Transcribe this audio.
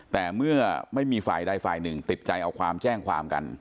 แต่เมื่อไม่มีฝ่ายใดฝ่ายหนึ่งติดใจเอาความแจ้งความกัน